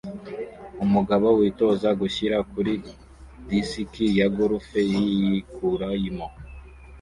umugabo witoza gushyira kuri disiki ya golf yikuramo